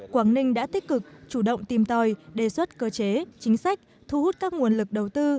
quảng ninh đã tích cực chủ động tìm tòi đề xuất cơ chế chính sách thu hút các nguồn lực đầu tư